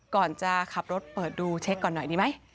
ก่อนจะขับรถเปิดดูเช็คก่อนหน่อยดีไหม